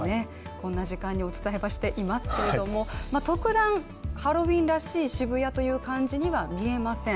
こんな時間にお伝えはしていますけれども特段、ハロウィーンらしい渋谷という感じには見えません。